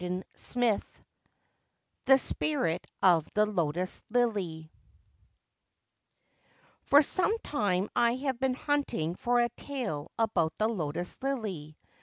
266 XLI1 THE SPIRIT OF THE LOTUS LILY FOR some time I have been hunting for a tale about the lotus lily.